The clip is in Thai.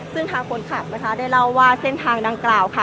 ซึ่งทางคนขับนะคะได้เล่าว่าเส้นทางดังกล่าวค่ะ